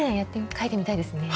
書いてみたいですね。